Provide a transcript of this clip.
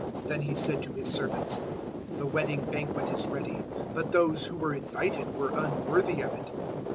022:008 Then he said to his servants, "`The wedding banquet is ready, but those who were invited were unworthy of it.